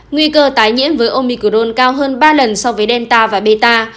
nguy cơ tái nhiễm với omicron cao hơn ba lần so với delta và beta